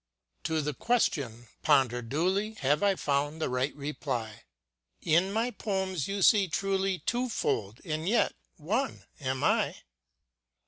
To the question, pondered duly, Have I found the right reply : In my poems you see truly Twofold and yet one am I.